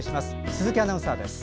鈴木アナウンサーです。